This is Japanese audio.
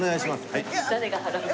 はい。